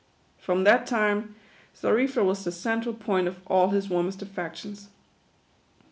From that time, Xarifa was the central point of all his warmest affections.